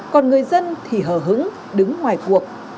còn người dân thì hở hứng đứng ngoài cuộc